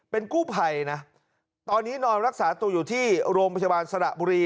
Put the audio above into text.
เป็นกู้ภัยนะตอนนี้นอนรักษาตัวอยู่ที่โรงพยาบาลสระบุรี